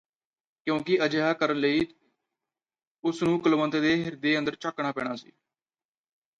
ਕਿਉਂਕਿ ਅਜਿਹਾ ਕਰਨ ਲਈ ਉਸ ਨੂੰ ਕਲਵੰਤ ਦੇ ਹਿਰਦੇ ਅੰਦਰ ਝਾਕਣਾ ਪੈਣਾ ਸੀ